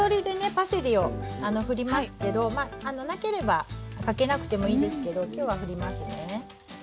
パセリをふりますけどなければかけなくてもいいですけど今日はふりますね。